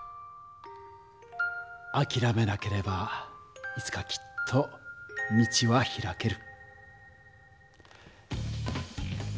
あきらめなければいつかきっと道は開ける。